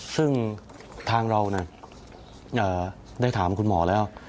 ซึ่งทางเราได้ถามคุณหมอแล้ว